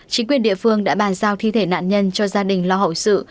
chính quyền địa phương đã bàn giao thi thể nạn nhân cho gia đình lo hậu sự